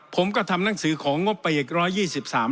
ผมก็ทำหนังสือของงบไปอีก๑๒๓บาท